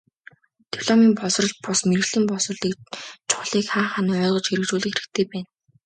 Дипломын боловсрол бус, мэргэжлийн боловсролыг чухлыг хаа хаанаа ойлгож хэрэгжүүлэх хэрэгтэй байна.